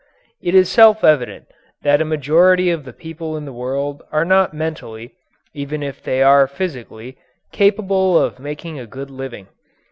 It is self evident that a majority of the people in the world are not mentally even if they are physically capable of making a good living.